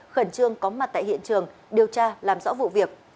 khẩn trương có mặt tại hiện trường điều tra làm rõ vụ việc